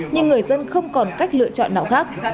nhưng người dân không còn cách lựa chọn nào khác